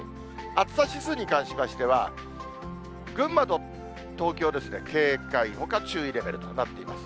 暑さ指数に関しましては、群馬と東京ですね、警戒、ほか注意レベルとなっています。